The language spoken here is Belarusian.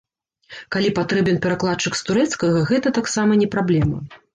Калі патрэбен перакладчык з турэцкага, гэта таксама не праблема.